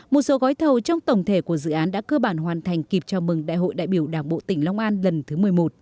một số gói thầu trong tổng thể của dự án đã cơ bản hoàn thành kịp chào mừng đại hội đại biểu đảng bộ tỉnh long an lần thứ một mươi một